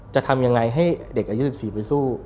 จะทำยังไงให้เด็กอายุ๑๔ไปสู้